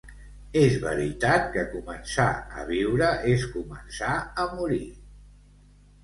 És veritat que començar a viure és començar a morir.